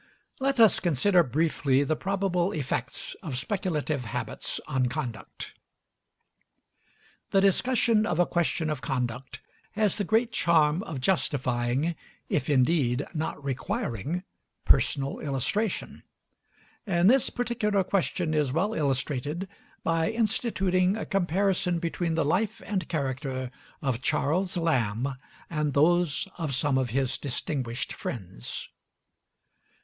Let us consider briefly the probable effects of speculative habits on conduct. The discussion of a question of conduct has the great charm of justifying, if indeed not requiring, personal illustration; and this particular question is well illustrated by instituting a comparison between the life and character of Charles Lamb and those of some of his distinguished friends.